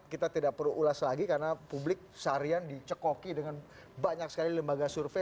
kita tidak perlu ulas lagi karena publik seharian dicekoki dengan banyak sekali lembaga survei